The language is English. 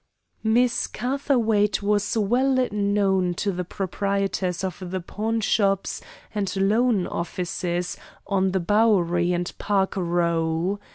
Miss Catherwaight was well known to the proprietors of the pawnshops and loan offices on the Bowery and Park Row.